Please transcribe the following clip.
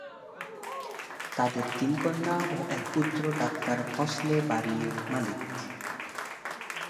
তাদের তিন কন্যা ও এক পুত্র ডাক্তার ফজলে বারী মালিক।